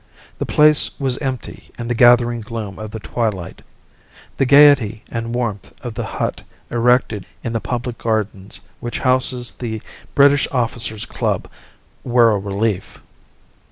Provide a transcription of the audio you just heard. The place was empty in the gathering gloom of the twilight. The gaiety and warmth of the hut erected in the Public Gardens which houses the British Officers' Club were a relief.